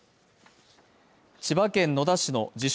千葉県野田市の自称